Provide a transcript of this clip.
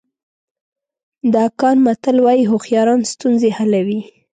د اکان متل وایي هوښیاران ستونزې حلوي.